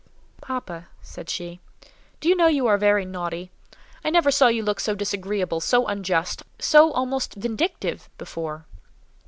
"Papa," said she, "do you know you are very naughty? I never saw you look so disagreeable, so unjust, so almost vindictive before.